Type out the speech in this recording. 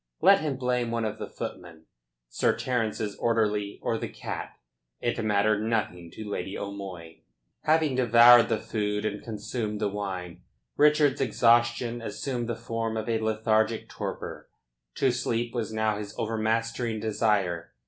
Let him blame one of the footmen, Sir Terence's orderly, or the cat. It mattered nothing to Lady O'Moy. Having devoured the food and consumed the wine, Richard's exhaustion assumed the form of a lethargic torpor. To sleep was now his overmastering desire.